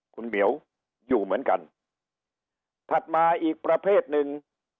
คุณเหมียวอยู่เหมือนกันถัดมาอีกประเภทหนึ่ง